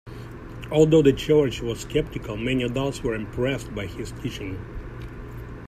Although the Church was skeptical, many adults were impressed by his teaching.